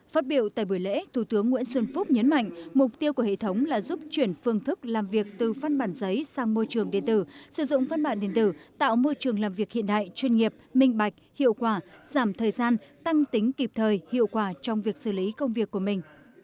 phát biểu tại buổi lễ thủ tướng nguyễn xuân phúc nhấn mạnh mục tiêu của hệ thống là giúp chuyển phương thức làm việc từ phân bản giấy sang môi trường điện tử sử dụng phân bản điện tử tạo môi trường làm việc hiện đại chuyên nghiệp minh bạch hiệu quả giảm thời gian tăng tính kịp thời hiệu quả trong việc xử lý công việc của mình